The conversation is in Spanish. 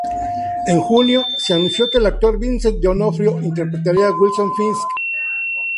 En junio, se anunció que el actor Vincent D'Onofrio interpretaría a Wilson Fisk.